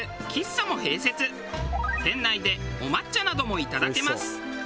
店内でお抹茶などもいただけます。